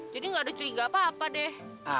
jadi gak ada curiga apa apa deh